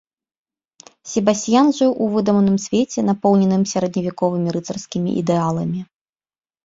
Себасцьян жыў у выдуманым свеце, напоўненым сярэдневяковымі рыцарскімі ідэаламі.